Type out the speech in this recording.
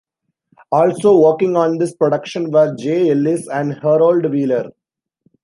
Also working on this production were Jay Ellis and Harold Wheeler.